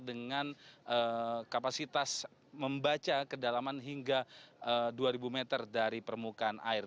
dengan kapasitas membaca kedalaman hingga dua ribu meter dari permukaan air